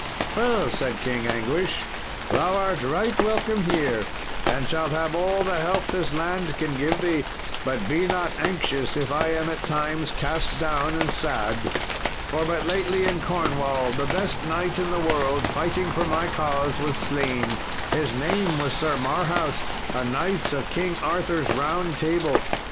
"Well," said King Anguish, "thou art right welcome here, and shalt have all the help this land can give thee; but be not anxious if I am at times cast down and sad, for but lately in Cornwall the best knight in the world, fighting for my cause, was slain; his name was Sir Marhaus, a knight of King Arthur's Round Table."